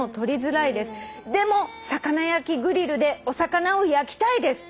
「でも魚焼きグリルでお魚を焼きたいです」